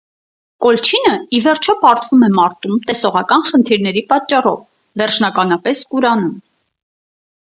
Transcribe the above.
Կոլչինը ի վերջո պարտվում է մարտում տեսողական խնդիրների պատճառով, վերջնականապես կուրանում։